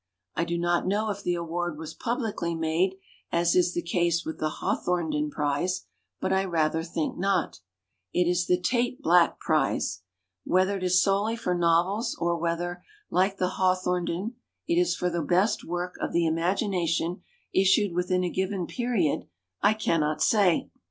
I do not know if the award was publicly made, as is the case with the Hawthornden prize; but I rather think not. It is the Tait THE LONDONER 65 Black prize. Whether it is solely for novels, or whether, like the Hawthorn den, it is for the best work of the im agination issued within a given period, I cannot say.